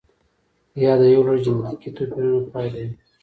یا د یو لړ جنتیکي توپیرونو پایله وي.